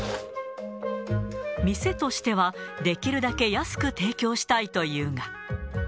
店としては、できるだけ安く提供したいというが。